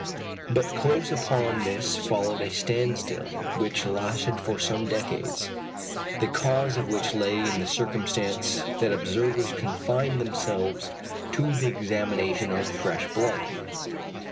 But close upon this followed a standstill, which lasted for some decades, the cause of which lay in the circumstance that observers confined themselves to the examination of fresh blood.